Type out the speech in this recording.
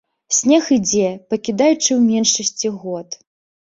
Снег ідзе, пакідаючы ў меншасці год.